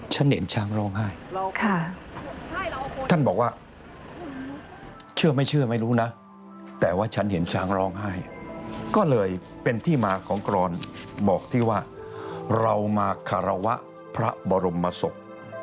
ฉันเห็นช้างร้องไห้ท่านบอกว่าเชื่อไม่เชื่อไม่รู้นะแต่ว่าฉันเห็นช้างร้องไห้ก็เลยเป็นที่มาของกรอนบอกที่ว่าเรามาคารวะพระบรมศพ